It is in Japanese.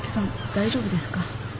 大丈夫ですか？